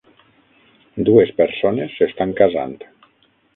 Dues persones s"estan casant.